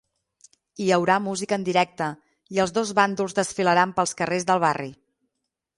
Hi haurà música en directe i els dos bàndols desfilaran pels carrers del barri.